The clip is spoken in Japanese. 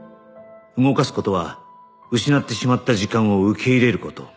動かす事は失ってしまった時間を受け入れる事